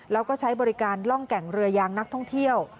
แล้วก็ใช้บริการล่องแก่งเรือยางนักท่องเที่ยว